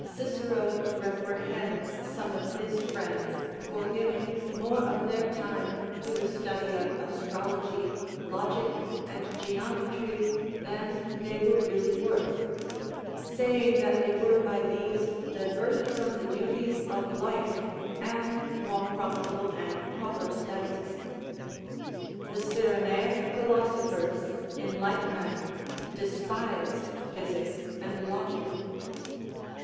Cicero reprehends some of his friends for giving more of their time to the study of astrology, logic, and geometry, than they were really worth; saying that they were by these diverted from the duties of life, and more profitable and proper studies. The Cyrenaick philosophers, in like manner, despised physics and logic.